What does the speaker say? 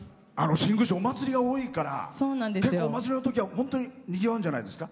新宮市はお祭りが多いから結構、お祭りのときはにぎわうんじゃないですか？